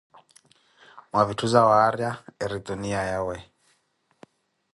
Mwa vitthu zawaarya eri tuniya yawe.